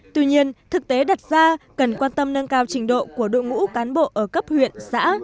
tuy nhiên thực tế đặt ra cần quan tâm nâng cao trình độ của đội ngũ cán bộ ở cấp huyện xã